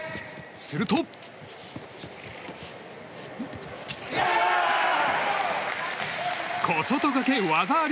すると、小外掛け、技あり。